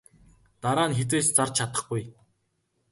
Дараа нь хэзээ ч зарж чадахгүй.